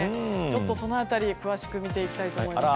その辺り詳しく見ていきたいと思います。